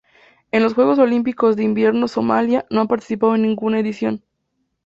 En los Juegos Olímpicos de Invierno Somalia no ha participado en ninguna edición.